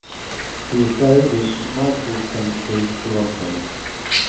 He is buried in Saint Michael's Cemetery, Toronto.